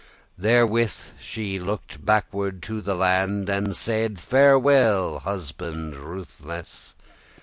Therewith she looked backward to the land, And saide, "Farewell, husband rutheless!"